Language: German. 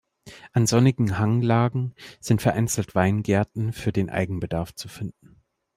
An sonnigen Hanglagen sind vereinzelt Weingärten für den Eigenbedarf zu finden.